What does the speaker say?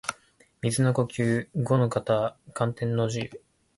水の呼吸伍ノ型干天の慈雨（ごのかたかんてんのじう）